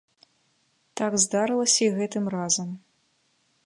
Так здарылася і гэтым разам.